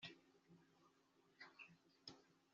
nge ndumva ngiye kuruka kubera iseseme anteye